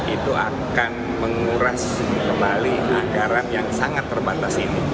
itu akan menguras kembali anggaran yang sangat terbatas ini